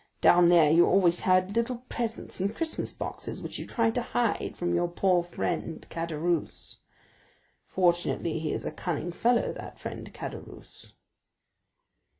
Down there, you always had little presents and Christmas boxes, which you tried to hide from your poor friend Caderousse. Fortunately he is a cunning fellow, that friend Caderousse."